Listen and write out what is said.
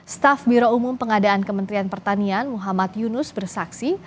staf biro umum pengadaan kementerian pertanian muhammad yunus bersaksi